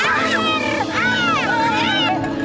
hah akan tuh air